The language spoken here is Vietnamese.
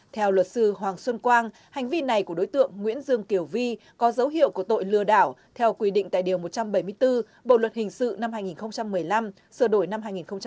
theo luật sư hoàng xuân quang hành vi này của đối tượng nguyễn dương kiều vi có dấu hiệu của tội lừa đảo theo quy định tại điều một trăm bảy mươi bốn bộ luật hình sự năm hai nghìn một mươi năm sửa đổi năm hai nghìn một mươi bảy